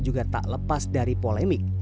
juga tak lepas dari polemik